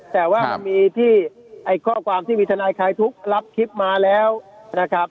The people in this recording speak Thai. แต่ว่ามันมีที่ไอ้ข้อความที่มีทนายคลายทุกข์รับคลิปมาแล้วนะครับ